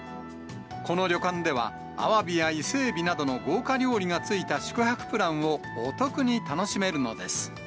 この旅館では、アワビや伊勢エビなどの豪華料理が付いた宿泊プランをお得に楽しめるのです。